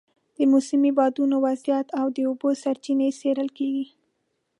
د موسمي بادونو وضعیت او د اوبو سرچینې څېړل کېږي.